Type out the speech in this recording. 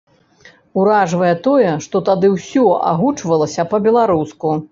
Уражвае тое, што тады ўсё агучвалася па-беларуску.